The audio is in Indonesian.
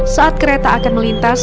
saat kereta akan melintas